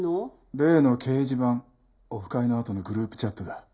例の掲示板オフ会のあとのグループチャットだ。